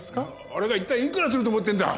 あれが一体いくらすると思ってるんだ！